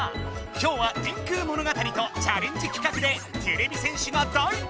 きょうは「電空物語」とチャレンジ企画でてれび戦士が大活躍！